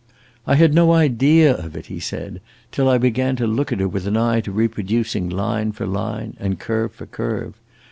"I had no idea of it," he said, "till I began to look at her with an eye to reproducing line for line and curve for curve.